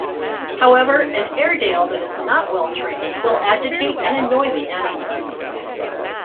However, an Airedale that is not well trained will agitate and annoy the animals.